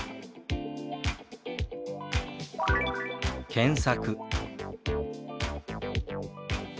「検索」。